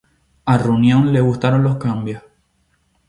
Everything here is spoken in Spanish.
A Runyon le gustaron los cambios.